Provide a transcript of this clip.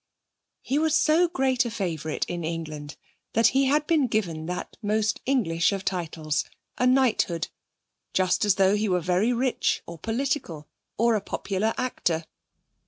He was so great a favourite in England that he had been given that most English of titles, a knighthood, just as though he were very rich, or political, or a popular actor.